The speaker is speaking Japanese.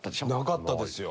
なかったですよ。